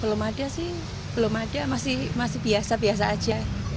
belum ada sih belum ada masih biasa biasa aja